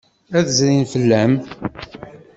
Ad d-zrin fell-am.